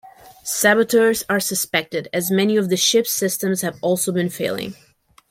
Saboteurs are suspected, as many of the ship's systems have also been failing.